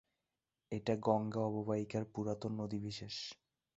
এটা গঙ্গা অববাহিকার পুরাতন নদীবিশেষ।